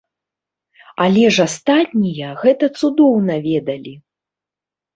Але ж астатнія гэта цудоўна ведалі!